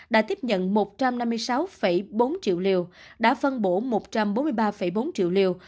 đã tiếp nhận một trăm năm mươi sáu bốn triệu liều đã phân bổ một trăm bốn mươi ba bốn triệu liều